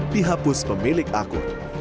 dihapus pemilik akun